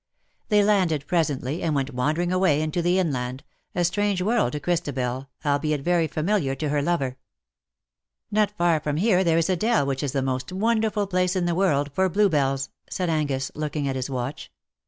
They landed presently, and went wandering away into the inland — a strange world to Christabel, albeit very familiar to her lover. ^' Not far from here there is a dell which is the most wonderful place in the world for bluebells/' said Angus, looking at his watch.